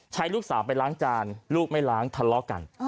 ลูกสาวไปล้างจานลูกไม่ล้างทะเลาะกัน